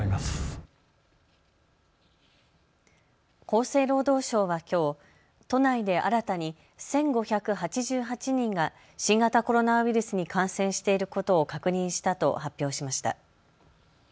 厚生労働省はきょう都内で新たに１５８８人が新型コロナウイルスに感染していることを確認したと発表しました。